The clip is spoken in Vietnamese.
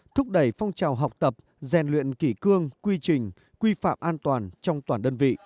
thúc đẩy phong trào học tập rèn luyện kỷ cương quy trình quy phạm an toàn trong toàn đơn vị